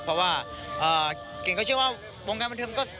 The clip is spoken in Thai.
เพราะว่าเกร็งเขาเชื่อบว่าวงการบันเทิงก็เป็นอาชีพที่สนุก